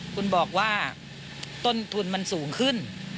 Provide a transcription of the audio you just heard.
คุณบอกว่าต้นทุนมันสูงขึ้น